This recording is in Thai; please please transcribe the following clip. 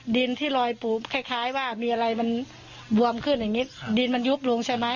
ดินที่ลอยปูคล้ายคล้ายว่ามีอะไรมันบวมขึ้นอย่างนี้ดินมันยุบลงใช่ไหม